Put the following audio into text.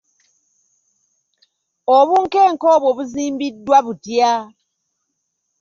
Obunkenke obwo buzimbiddwa butya?